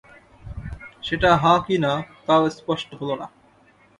সেটা হাঁ কি না, তাও স্পষ্ট হলো না।